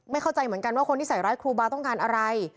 เข้าใจเหมือนกันว่าคนที่ใส่ร้ายครูบาต้องการอะไร